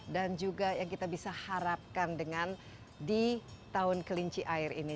dan juga yang kita bisa harapkan dengan di tahun kelinci air ini